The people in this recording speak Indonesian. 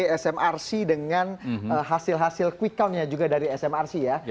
survei smrc dengan hasil hasil quick count nya juga dari smrc ya